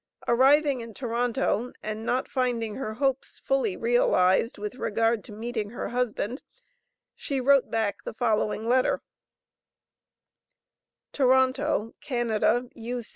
Arriving in Toronto, and not finding her hopes fully realized, with regard to meeting her husband, she wrote back the following letter: TORONTO, CANADA, U.